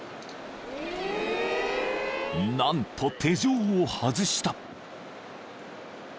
［何と手錠を外した］